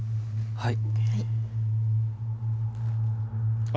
はい。